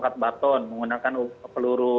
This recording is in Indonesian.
cut button menggunakan peluru